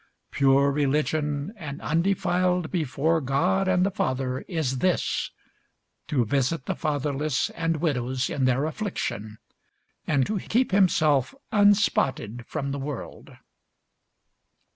Pure religion and undefiled before God and the Father is this, To visit the fatherless and widows in their affliction, and to keep himself unspotted from the world.